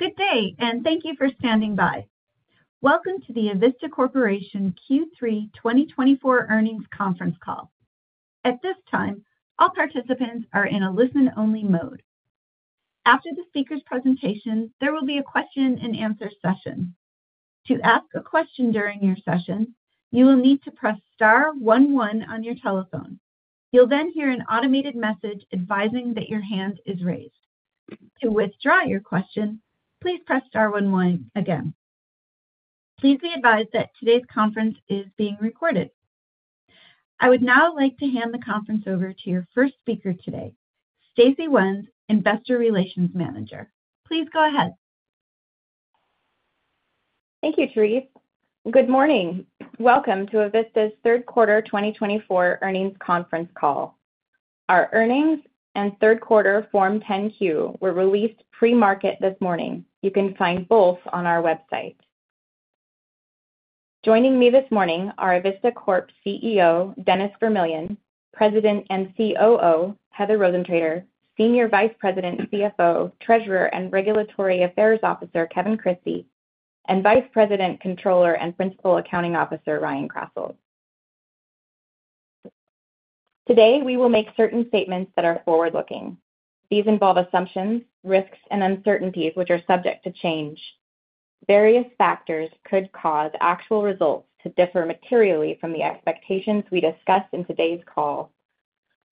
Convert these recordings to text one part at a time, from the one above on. Good day, and thank you for standing by. Welcome to the Avista Corporation Q3 2024 earnings conference call. At this time, all participants are in a listen-only mode. After the speaker's presentation, there will be a question-and-answer session. To ask a question during your session, you will need to press star one one on your telephone. You'll then hear an automated message advising that your hand is raised. To withdraw your question, please press star one one again. Please be advised that today's conference is being recorded. I would now like to hand the conference over to your first speaker today, Stacey Wenz, Investor Relations Manager. Please go ahead. Thank you, Therese. Good morning. Welcome to Avista's Third Quarter 2024 earnings conference call. Our earnings and third quarter Form 10-Q were released pre-market this morning. You can find both on our website. Joining me this morning are Avista Corp CEO, Dennis Vermillion, President and COO, Heather Rosentrater, Senior Vice President, CFO, Treasurer, and Regulatory Affairs Officer, Kevin Christie, and Vice President, Controller, and Principal Accounting Officer, Ryan Krasselt. Today, we will make certain statements that are forward-looking. These involve assumptions, risks, and uncertainties which are subject to change. Various factors could cause actual results to differ materially from the expectations we discuss in today's call.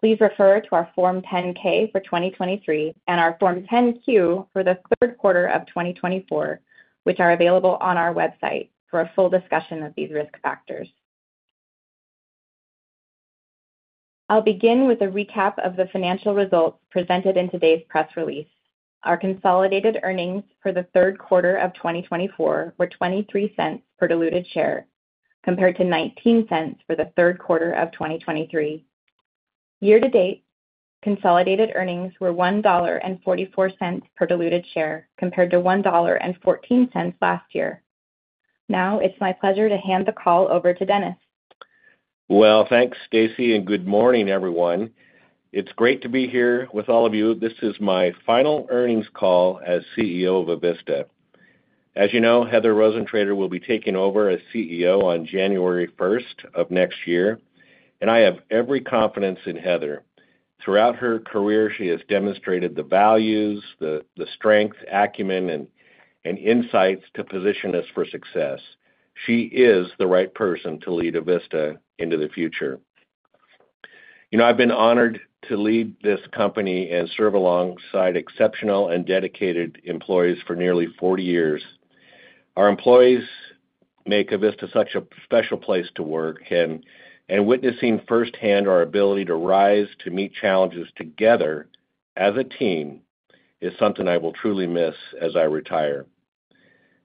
Please refer to our Form 10-K for 2023 and our Form 10-Q for the third quarter of 2024, which are available on our website for a full discussion of these risk factors. I'll begin with a recap of the financial results presented in today's press release. Our consolidated earnings for the third quarter of 2024 were $0.23 per diluted share, compared to $0.19 for the third quarter of 2023. Year-to-date, consolidated earnings were $1.44 per diluted share, compared to $1.14 last year. Now, it's my pleasure to hand the call over to Dennis. Well, thanks, Stacey, and good morning, everyone. It's great to be here with all of you. This is my final earnings call as CEO of Avista. As you know, Heather Rosentrater will be taking over as CEO on January 1st of next year, and I have every confidence in Heather. Throughout her career, she has demonstrated the values, the strength, acumen, and insights to position us for success. She is the right person to lead Avista into the future. You know, I've been honored to lead this company and serve alongside exceptional and dedicated employees for nearly 40 years. Our employees make Avista such a special place to work, and witnessing firsthand our ability to rise, to meet challenges together as a team is something I will truly miss as I retire.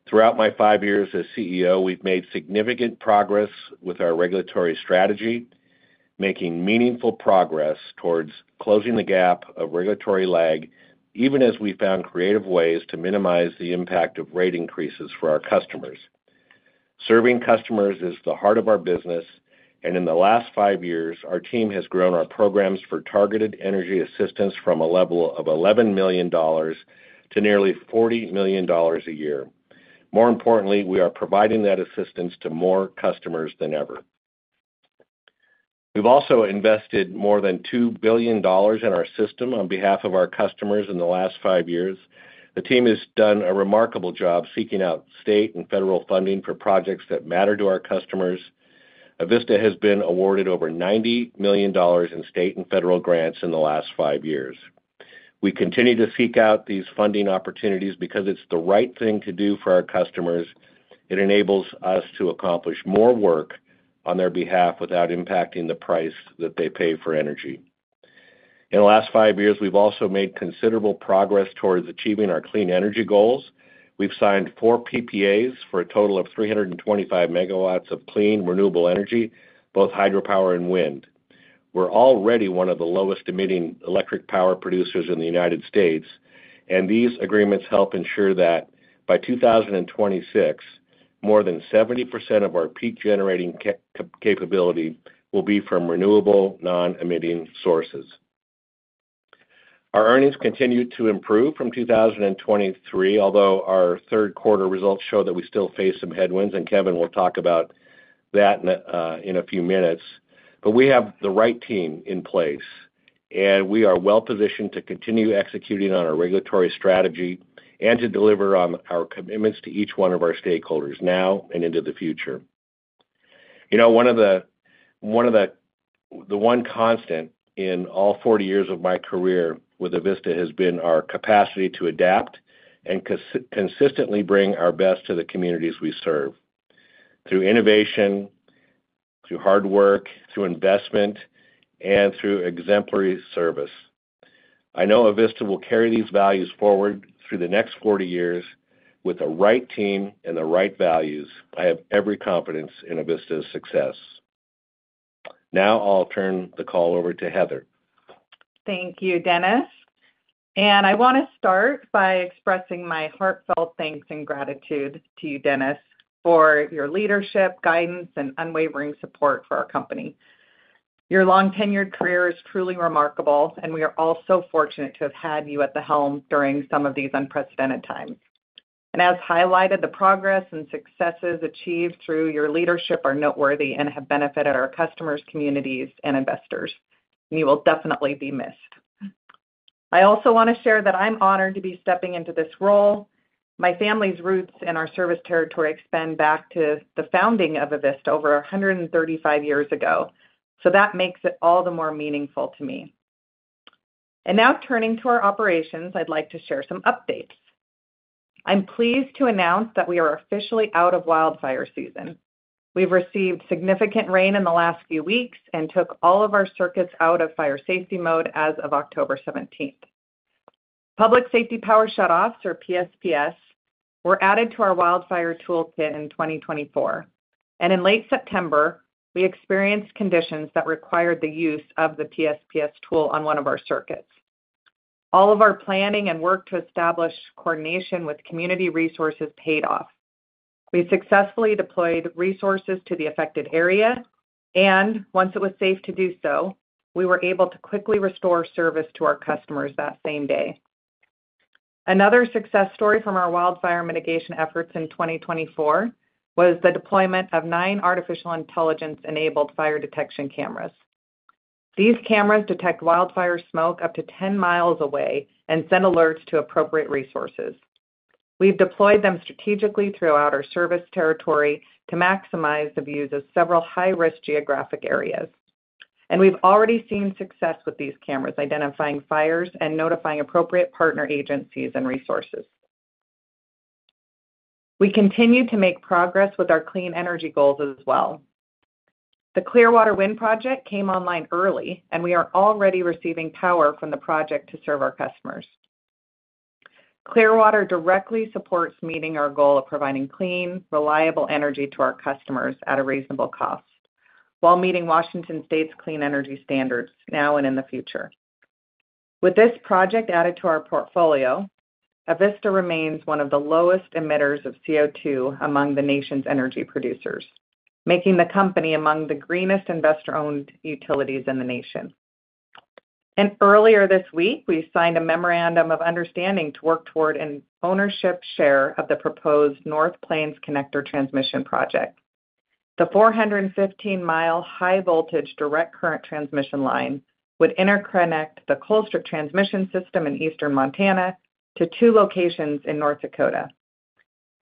Throughout my five years as CEO, we've made significant progress with our regulatory strategy, making meaningful progress towards closing the gap of regulatory lag, even as we found creative ways to minimize the impact of rate increases for our customers. Serving customers is the heart of our business, and in the last five years, our team has grown our programs for targeted energy assistance from a level of $11 million to nearly $40 million a year. More importantly, we are providing that assistance to more customers than ever. We've also invested more than $2 billion in our system on behalf of our customers in the last five years. The team has done a remarkable job seeking out state and federal funding for projects that matter to our customers. Avista has been awarded over $90 million in state and federal grants in the last five years. We continue to seek out these funding opportunities because it's the right thing to do for our customers. It enables us to accomplish more work on their behalf without impacting the price that they pay for energy. In the last five years, we've also made considerable progress towards achieving our clean energy goals. We've signed four PPAs for a total of 325 megawatts of clean renewable energy, both hydropower and wind. We're already one of the lowest-emitting electric power producers in the United States, and these agreements help ensure that by 2026, more than 70% of our peak generating capability will be from renewable non-emitting sources. Our earnings continue to improve from 2023, although our third quarter results show that we still face some headwinds, and Kevin will talk about that in a few minutes. But we have the right team in place, and we are well-positioned to continue executing on our regulatory strategy and to deliver on our commitments to each one of our stakeholders now and into the future. You know, one of the constant in all 40 years of my career with Avista has been our capacity to adapt and consistently bring our best to the communities we serve through innovation, through hard work, through investment, and through exemplary service. I know Avista will carry these values forward through the next 40 years with the right team and the right values. I have every confidence in Avista's success. Now, I'll turn the call over to Heather. Thank you, Dennis, and I want to start by expressing my heartfelt thanks and gratitude to you, Dennis, for your leadership, guidance, and unwavering support for our company. Your long-tenured career is truly remarkable, and we are all so fortunate to have had you at the helm during some of these unprecedented times, and as highlighted, the progress and successes achieved through your leadership are noteworthy and have benefited our customers, communities, and investors, and you will definitely be missed. I also want to share that I'm honored to be stepping into this role. My family's roots in our service territory extend back to the founding of Avista over 135 years ago, so that makes it all the more meaningful to me, and now, turning to our operations, I'd like to share some updates. I'm pleased to announce that we are officially out of wildfire season. We've received significant rain in the last few weeks and took all of our circuits out of fire safety mode as of October 17th. Public Safety Power Shutoffs, or PSPS, were added to our wildfire toolkit in 2024, and in late September, we experienced conditions that required the use of the PSPS tool on one of our circuits. All of our planning and work to establish coordination with community resources paid off. We successfully deployed resources to the affected area, and once it was safe to do so, we were able to quickly restore service to our customers that same day. Another success story from our wildfire mitigation efforts in 2024 was the deployment of nine artificial intelligence-enabled fire detection cameras. These cameras detect wildfire smoke up to 10 miles away and send alerts to appropriate resources. We've deployed them strategically throughout our service territory to maximize the views of several high-risk geographic areas, and we've already seen success with these cameras identifying fires and notifying appropriate partner agencies and resources. We continue to make progress with our clean energy goals as well. The Clearwater Wind Project came online early, and we are already receiving power from the project to serve our customers. Clearwater directly supports meeting our goal of providing clean, reliable energy to our customers at a reasonable cost while meeting Washington State's clean energy standards now and in the future. With this project added to our portfolio, Avista remains one of the lowest emitters of CO2 among the nation's energy producers, making the company among the greenest investor-owned utilities in the nation. Earlier this week, we signed a memorandum of understanding to work toward an ownership share of the proposed North Plains Connector Transmission Project. The 415-mile high-voltage direct current transmission line would interconnect the Colstrip Transmission System in eastern Montana to two locations in North Dakota.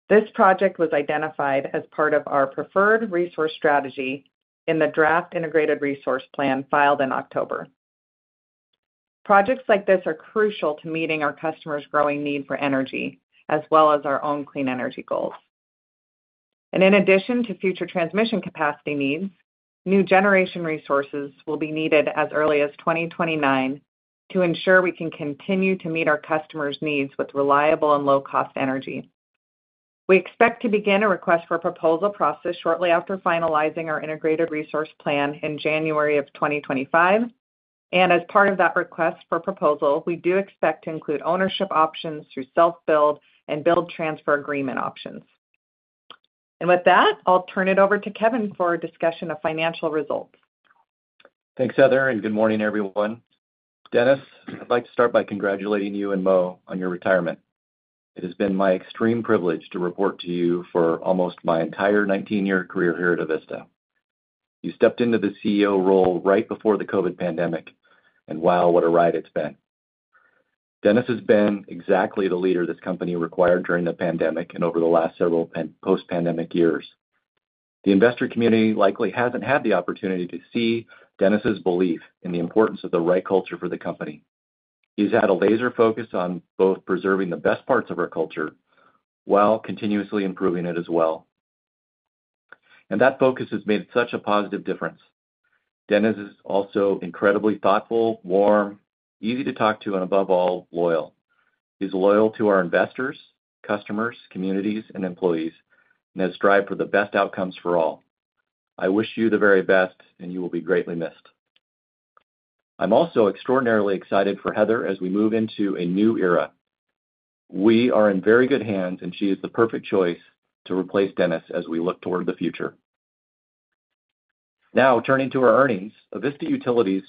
This project was identified as part of our preferred resource strategy in the Draft Integrated Resource Plan filed in October. Projects like this are crucial to meeting our customers' growing need for energy, as well as our own clean energy goals. In addition to future transmission capacity needs, new generation resources will be needed as early as 2029 to ensure we can continue to meet our customers' needs with reliable and low-cost energy. We expect to begin a request for proposal process shortly after finalizing our Integrated Resource Plan in January of 2025, and as part of that request for proposal, we do expect to include ownership options through self-build and build-transfer agreement options, and with that, I'll turn it over to Kevin for a discussion of financial results. Thanks, Heather, and good morning, everyone. Dennis, I'd like to start by congratulating you and Moe on your retirement. It has been my extreme privilege to report to you for almost my entire 19-year career here at Avista. You stepped into the CEO role right before the COVID pandemic, and wow, what a ride it's been. Dennis has been exactly the leader this company required during the pandemic and over the last several post-pandemic years. The investor community likely hasn't had the opportunity to see Dennis's belief in the importance of the right culture for the company. He's had a laser focus on both preserving the best parts of our culture while continuously improving it as well. And that focus has made such a positive difference. Dennis is also incredibly thoughtful, warm, easy to talk to, and above all, loyal. He's loyal to our investors, customers, communities, and employees, and has strived for the best outcomes for all. I wish you the very best, and you will be greatly missed. I'm also extraordinarily excited for Heather as we move into a new era. We are in very good hands, and she is the perfect choice to replace Dennis as we look toward the future. Now, turning to our earnings, Avista Utilities'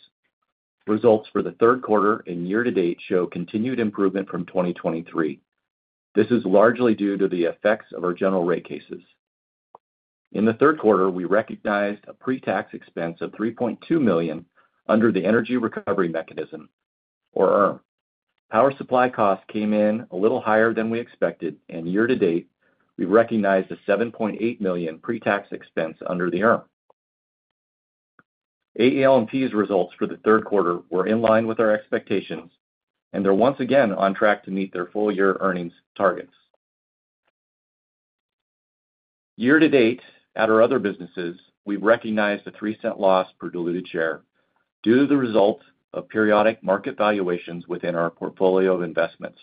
results for the third quarter and year-to-date show continued improvement from 2023. This is largely due to the effects of our general rate cases. In the third quarter, we recognized a pre-tax expense of $3.2 million under the Energy Recovery Mechanism. Our power supply costs came in a little higher than we expected, and year-to-date, we recognized a $7.8 million pre-tax expense under the ERM. AEL&P's results for the third quarter were in line with our expectations, and they're once again on track to meet their full-year earnings targets. Year-to-date, at our other businesses, we've recognized a $0.03 loss per diluted share due to the result of periodic market valuations within our portfolio of investments.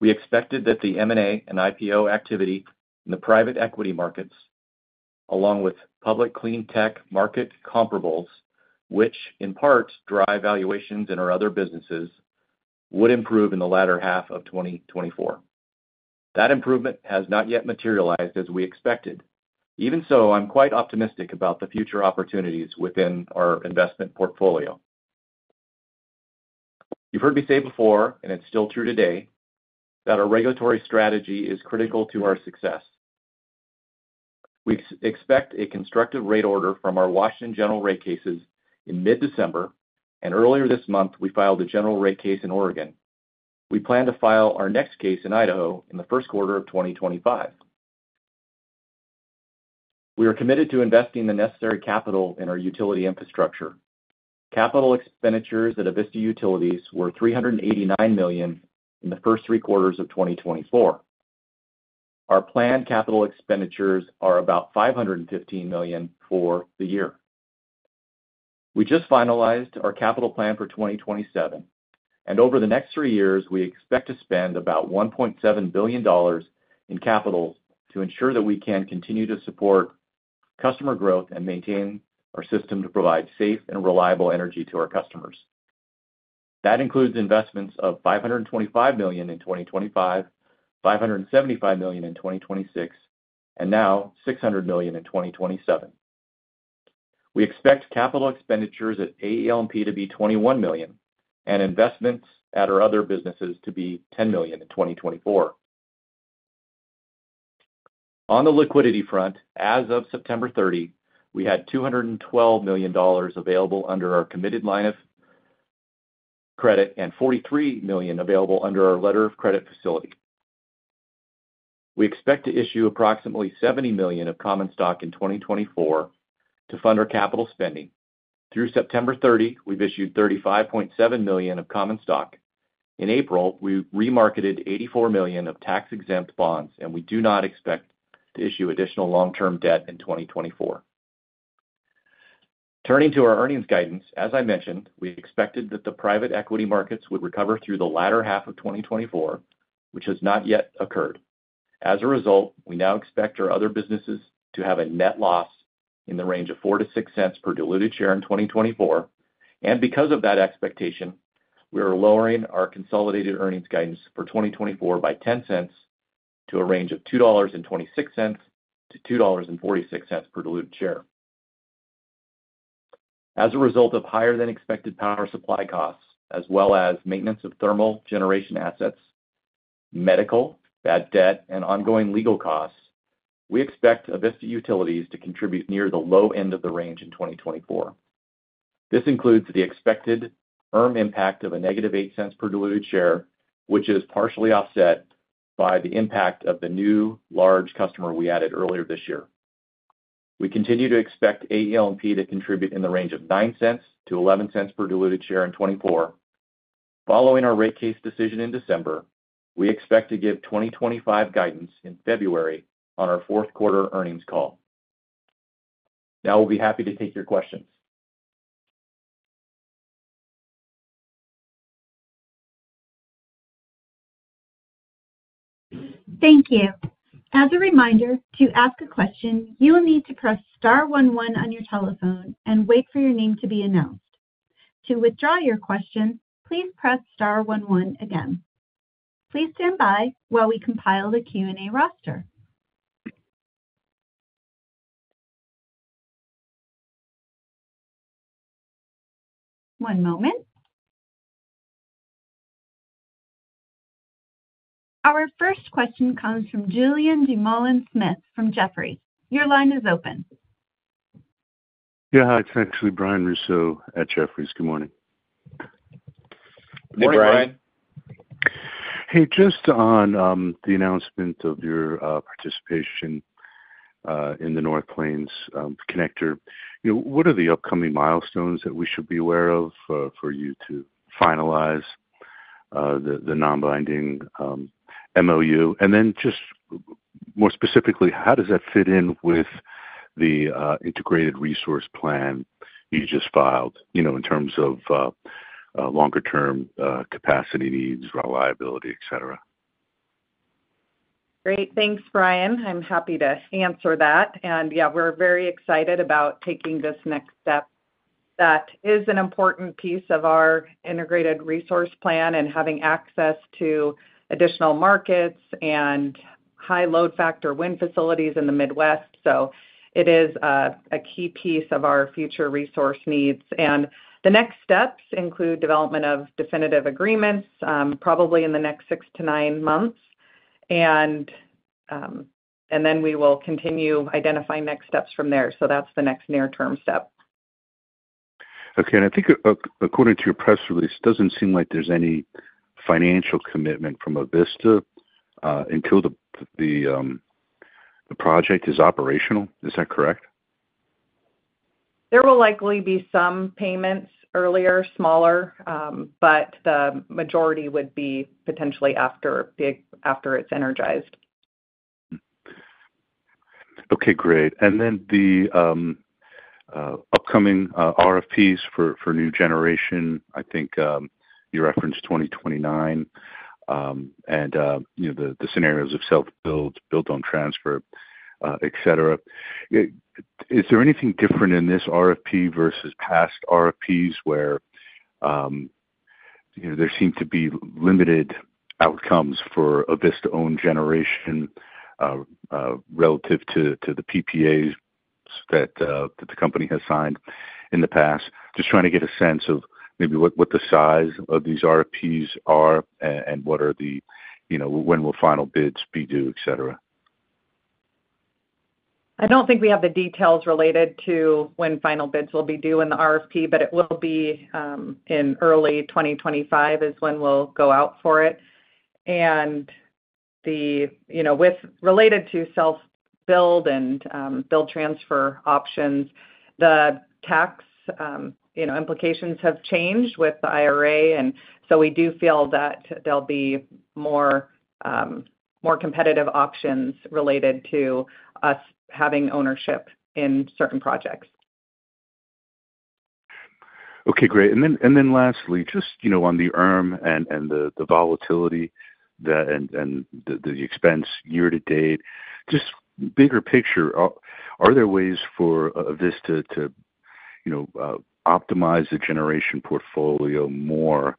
We expected that the M&A and IPO activity in the private equity markets, along with public clean tech market comparables, which in part drive valuations in our other businesses, would improve in the latter half of 2024. That improvement has not yet materialized as we expected. Even so, I'm quite optimistic about the future opportunities within our investment portfolio. You've heard me say before, and it's still true today, that our regulatory strategy is critical to our success. We expect a constructive rate order from our Washington general rate cases in mid-December, and earlier this month, we filed a general rate case in Oregon. We plan to file our next case in Idaho in the first quarter of 2025. We are committed to investing the necessary capital in our utility infrastructure. Capital expenditures at Avista Utilities were $389 million in the first three quarters of 2024. Our planned capital expenditures are about $515 million for the year. We just finalized our capital plan for 2027, and over the next three years, we expect to spend about $1.7 billion in capital to ensure that we can continue to support customer growth and maintain our system to provide safe and reliable energy to our customers. That includes investments of $525 million in 2025, $575 million in 2026, and now $600 million in 2027. We expect capital expenditures at AEL&P to be $21 million and investments at our other businesses to be $10 million in 2024. On the liquidity front, as of September 30, we had $212 million available under our committed line of credit and $43 million available under our letter of credit facility. We expect to issue approximately $70 million of common stock in 2024 to fund our capital spending. Through September 30, we've issued $35.7 million of common stock. In April, we remarketed $84 million of tax-exempt bonds, and we do not expect to issue additional long-term debt in 2024. Turning to our earnings guidance, as I mentioned, we expected that the private equity markets would recover through the latter half of 2024, which has not yet occurred. As a result, we now expect our other businesses to have a net loss in the range of $0.04-$0.06 per diluted share in 2024, and because of that expectation, we are lowering our consolidated earnings guidance for 2024 by $0.10 to a range of $2.26-$2.46 per diluted share. As a result of higher-than-expected power supply costs, as well as maintenance of thermal generation assets, medical, bad debt, and ongoing legal costs, we expect Avista Utilities to contribute near the low end of the range in 2024. This includes the expected impact of a negative $0.08 per diluted share, which is partially offset by the impact of the new large customer we added earlier this year. We continue to expect AEL&P to contribute in the range of $0.09-$0.11 per diluted share in 2024. Following our rate case decision in December, we expect to give 2025 guidance in February on our fourth quarter earnings call. Now, we'll be happy to take your questions. Thank you. As a reminder, to ask a question, you will need to press star one one on your telephone and wait for your name to be announced. To withdraw your question, please press star one one again. Please stand by while we compile the Q&A roster. One moment. Our first question comes from Julien Dumoulin-Smith from Jefferies. Your line is open. Yeah, it's actually Brian Russo at Jefferies. Good morning. Hey, Brian. Hey, just on the announcement of your participation in the North Plains Connector, what are the upcoming milestones that we should be aware of for you to finalize the non-binding MOU? And then just more specifically, how does that fit in with the Integrated Resource Plan you just filed in terms of longer-term capacity needs, reliability, etc.? Great. Thanks, Brian. I'm happy to answer that. And yeah, we're very excited about taking this next step. That is an important piece of our Integrated Resource Plan and having access to additional markets and high-load factor wind facilities in the Midwest. So it is a key piece of our future resource needs. And the next steps include development of definitive agreements probably in the next six to nine months. And then we will continue identifying next steps from there. So that's the next near-term step. Okay, and I think according to your press release, it doesn't seem like there's any financial commitment from Avista until the project is operational. Is that correct? There will likely be some payments earlier, smaller, but the majority would be potentially after it's energized. Okay. Great. And then the upcoming RFPs for new generation, I think you referenced 2029 and the scenarios of self-build, build-transfer, etc. Is there anything different in this RFP versus past RFPs where there seem to be limited outcomes for Avista-owned generation relative to the PPAs that the company has signed in the past? Just trying to get a sense of maybe what the size of these RFPs are and when will final bids be due, etc.? I don't think we have the details related to when final bids will be due in the RFP, but it will be in early 2025 is when we'll go out for it, and related to self-build and build transfer options, the tax implications have changed with the IRA, and so we do feel that there'll be more competitive options related to us having ownership in certain projects. Okay. Great. And then lastly, just on the volatility and the expense year-to-date, just bigger picture, are there ways for Avista to optimize the generation portfolio more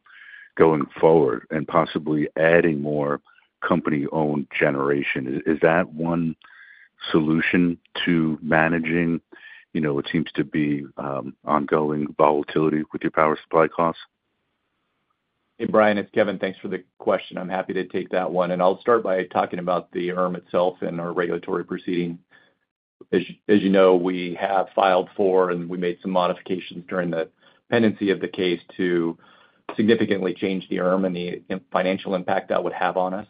going forward and possibly adding more company-owned generation? Is that one solution to managing what seems to be ongoing volatility with your power supply costs? Hey, Brian. It's Kevin. Thanks for the question. I'm happy to take that one. And I'll start by talking about the IRP itself and our regulatory proceeding. As you know, we have filed for the IRP and we made some modifications during the pendency of the case to significantly change the IRP and the financial impact that would have on us.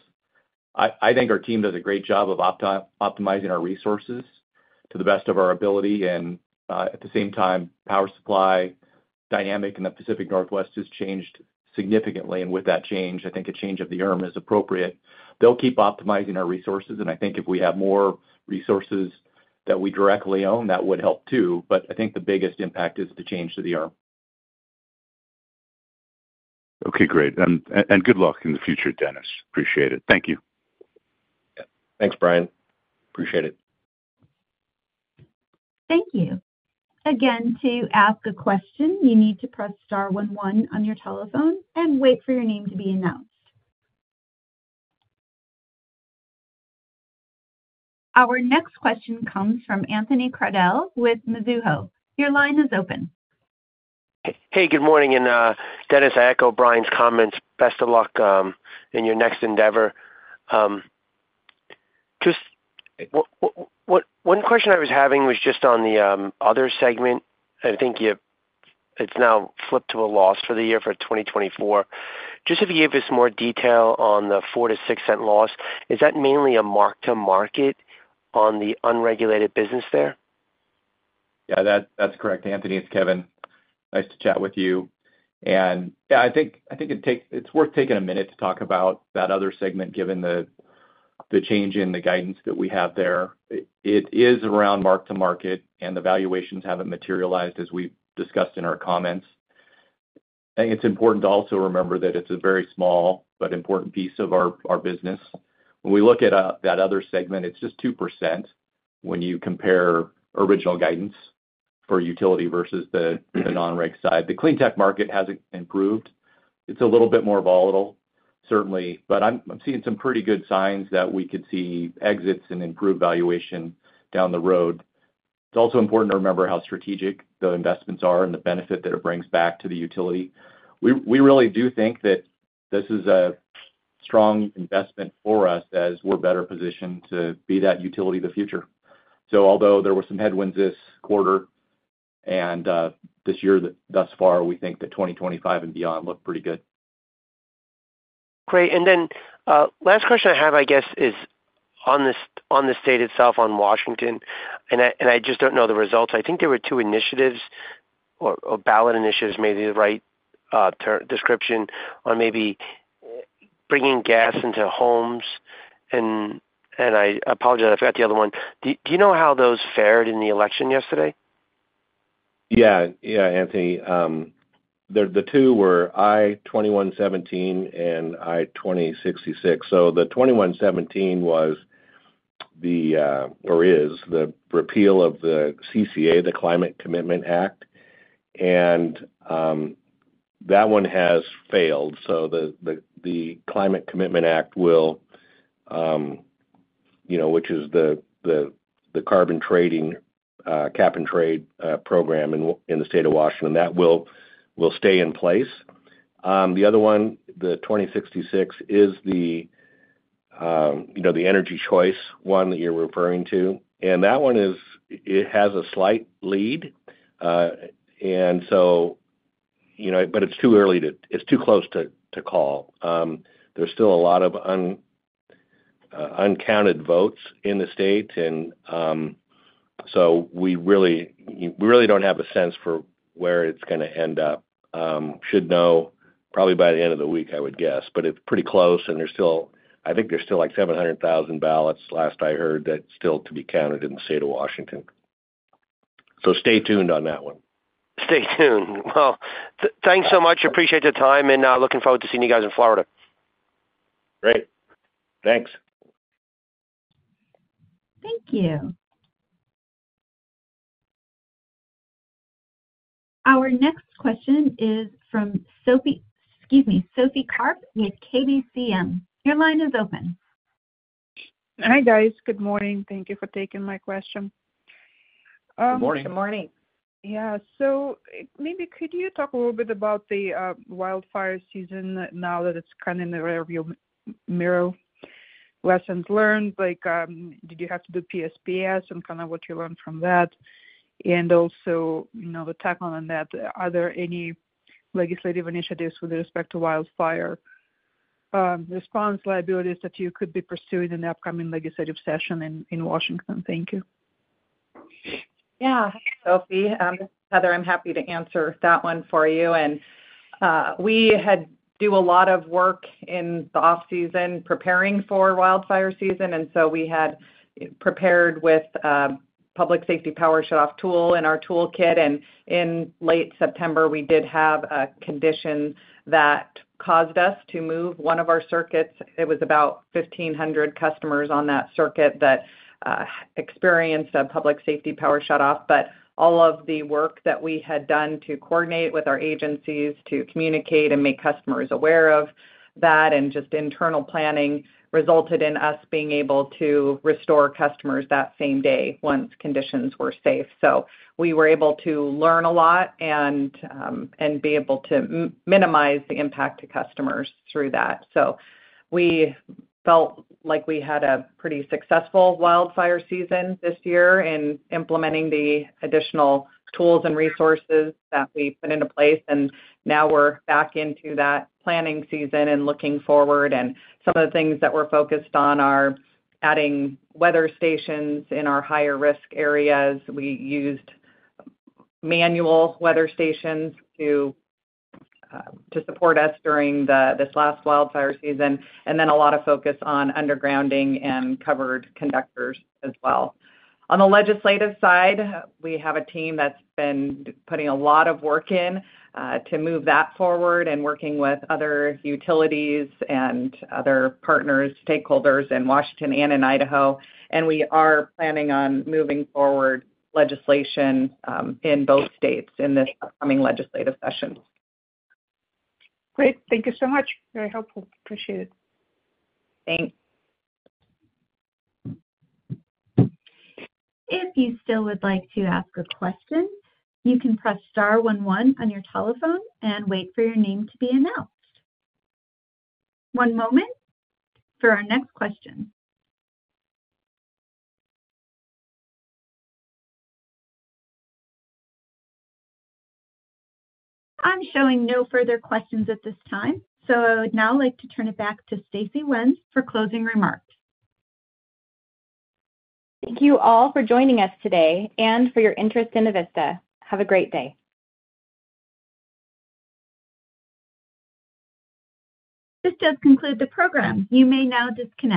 I think our team does a great job of optimizing our resources to the best of our ability. And at the same time, power supply dynamic in the Pacific Northwest has changed significantly. And with that change, I think a change of the IRP is appropriate. They'll keep optimizing our resources. And I think if we have more resources that we directly own, that would help too. But I think the biggest impact is the change to the IRP. Okay. Great. And good luck in the future, Dennis. Appreciate it. Thank you. Thanks, Brian. Appreciate it. Thank you. Again, to ask a question, you need to press star one one on your telephone and wait for your name to be announced. Our next question comes from Anthony Crowdell with Mizuho. Your line is open. Hey, good morning, and Dennis, I echo Brian's comments. Best of luck in your next endeavor. One question I was having was just on the other segment. I think it's now flipped to a loss for the year for 2024. Just if you gave us more detail on the $0.04-$0.06 loss, is that mainly a mark-to-market on the unregulated business there? Yeah, that's correct. Anthony, it's Kevin. Nice to chat with you, and yeah, I think it's worth taking a minute to talk about that other segment given the change in the guidance that we have there. It is around mark-to-market, and the valuations haven't materialized as we've discussed in our comments. I think it's important to also remember that it's a very small but important piece of our business. When we look at that other segment, it's just 2% when you compare original guidance for utility versus the non-reg side. The clean tech market hasn't improved. It's a little bit more volatile, certainly, but I'm seeing some pretty good signs that we could see exits and improved valuation down the road. It's also important to remember how strategic the investments are and the benefit that it brings back to the utility. We really do think that this is a strong investment for us as we're better positioned to be that utility of the future, so although there were some headwinds this quarter and this year thus far, we think that 2025 and beyond look pretty good. Great. And then last question I have, I guess, is on the state itself on Washington. And I just don't know the results. I think there were two initiatives or ballot initiatives, maybe the right description, on maybe bringing gas into homes. And I apologize, I forgot the other one. Do you know how those fared in the election yesterday? Yeah. Yeah, Anthony. The two were I-2117 and I-2066. So the 2117 is the repeal of the CCA, the Climate Commitment Act. And that one has failed. So the Climate Commitment Act will, which is the carbon trading, cap and trade program in the state of Washington, that will stay in place. The other one, the 2066, is the energy choice one that you're referring to. And that one has a slight lead. And so, but it's too early. It's too close to call. There's still a lot of uncounted votes in the state. And so we really don't have a sense for where it's going to end up. Should know probably by the end of the week, I would guess. But it's pretty close. And I think there's still like 700,000 ballots last I heard that still to be counted in the state of Washington. So stay tuned on that one. Stay tuned. Well, thanks so much. Appreciate the time. And looking forward to seeing you guys in Florida. Great. Thanks. Thank you. Our next question is from Sophie Karp with KBCM. Your line is open. Hi, guys. Good morning. Thank you for taking my question. Good morning. Good morning. Yeah. So maybe could you talk a little bit about the wildfire season now that it's kind of in the rearview mirror? Lessons learned? Did you have to do PSPS and kind of what you learned from that? And also the tack on that, are there any legislative initiatives with respect to wildfire response liabilities that you could be pursuing in the upcoming legislative session in Washington? Thank you. Yeah. Hey, Sophie. Heather, I'm happy to answer that one for you, and we do a lot of work in the off-season preparing for wildfire season, and so we had prepared with public safety power shutoff tool in our toolkit, and in late September, we did have a condition that caused us to move one of our circuits. It was about 1,500 customers on that circuit that experienced a public safety power shutoff, but all of the work that we had done to coordinate with our agencies to communicate and make customers aware of that and just internal planning resulted in us being able to restore customers that same day once conditions were safe, so we were able to learn a lot and be able to minimize the impact to customers through that. So we felt like we had a pretty successful wildfire season this year in implementing the additional tools and resources that we put into place. And now we're back into that planning season and looking forward. And some of the things that we're focused on are adding weather stations in our higher-risk areas. We used manual weather stations to support us during this last wildfire season. And then a lot of focus on undergrounding and covered conductors as well. On the legislative side, we have a team that's been putting a lot of work in to move that forward and working with other utilities and other partners, stakeholders in Washington and in Idaho. And we are planning on moving forward legislation in both states in this upcoming legislative session. Great. Thank you so much. Very helpful. Appreciate it. Thanks. If you still would like to ask a question, you can press star one one on your telephone and wait for your name to be announced. One moment for our next question. I'm showing no further questions at this time. So I would now like to turn it back to Stacey Wenz for closing remarks. Thank you all for joining us today and for your interest in Avista. Have a great day. This does conclude the program. You may now disconnect.